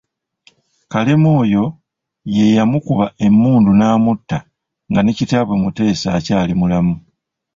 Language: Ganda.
Kalema oyo ye yamukuba emmundu n'amutta nga ne kitaabwe Mutesa akyali mulamu.